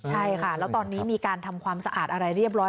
ใช่ค่ะแล้วตอนนี้มีการทำความสะอาดอะไรเรียบร้อย